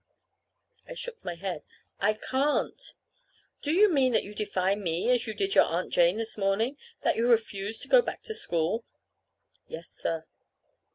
I shook my head. "I can't." "Do you mean that you defy me as you did your Aunt Jane this morning? that you refuse to go back to school?" "Yes, sir."